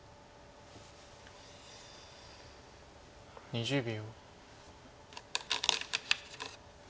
２０秒。